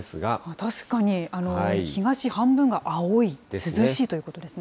確かに、東半分が青い、涼しいということですね。